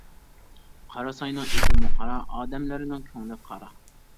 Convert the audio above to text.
قارا ساينىڭ ئېتىمۇ قارا، ئادەملىرىنىڭ كۆڭلى قارا.